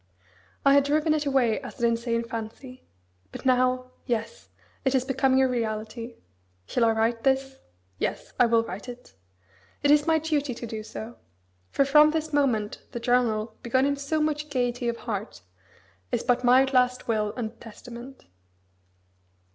I had driven it away as an insane fancy. But now, yes! it is becoming a reality. Shall I write this? Yes! I will write it. It is my duty to do so; for from this moment the journal, begun in so much gaiety of heart, is but my last will and testament.